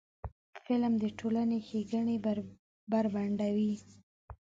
فلم د ټولنې ښېګڼې بربنډوي